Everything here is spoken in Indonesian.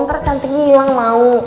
ntar cantiknya ilang mau